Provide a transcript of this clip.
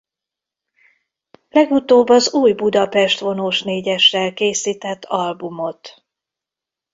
Legutóbb az Új Budapest Vonósnégyessel készített albumot.